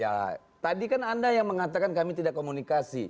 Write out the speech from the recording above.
ya tadi kan anda yang mengatakan kami tidak komunikasi